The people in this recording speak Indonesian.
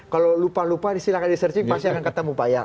kalau lupa lupa silahkan di searching pasti akan ketemu pak ya